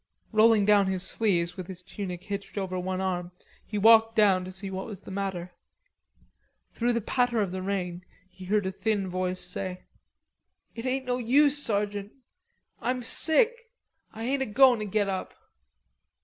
Rolling down his sleeves, with his tunic hitched over one arm, he walked down to see what was the matter. Through the patter of the rain, he heard a thin voice say: "It ain't no use, sergeant, I'm sick. I ain't a' goin' to get up."